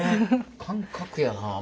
感覚やな。